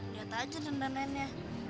liat aja dendamannya